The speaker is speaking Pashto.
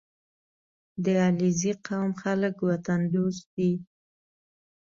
• د علیزي قوم خلک وطن دوست دي.